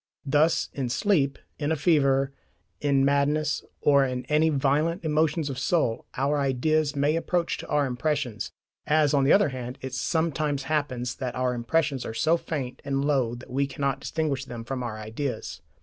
Thus in sleep, in a fever, in madness, or in any very violent emotions of soul, our ideas may approach to our impressions; as, on the other hand, it sometimes happens, that our impressions are so faint and low that we cannot distinguish them from our ideas.